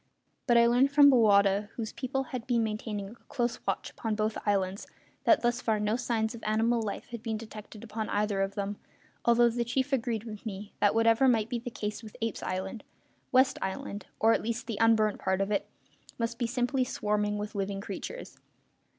But I learned from Bowata, whose people had been maintaining a close watch upon both islands, that thus far no signs of animal life had been detected upon either of them, although the chief agreed with me that, whatever might be the case with Apes' Island, West Island or at least the unburnt part of it must be simply swarming with living creatures.